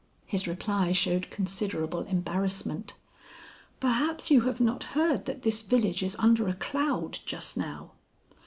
His reply showed considerable embarrassment. "Perhaps you have not heard that this village is under a cloud just now?"